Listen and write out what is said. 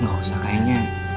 ya gak usah kayaknya